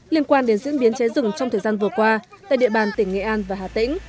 liên quan đến diễn biến cháy rừng trong thời gian vừa qua tại địa bàn tỉnh nghệ an và hà tĩnh